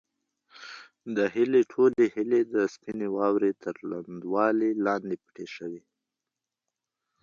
د هیلې ټولې هیلې د سپینې واورې تر لوندوالي لاندې پټې شوې وې.